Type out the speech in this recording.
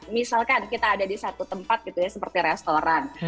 misalkan kita ada di satu tempat seperti restoran